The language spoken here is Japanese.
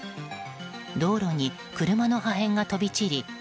道路に車の破片が飛び散り